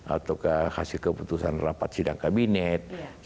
ataukah hasil keputusan rapat sidang kabinet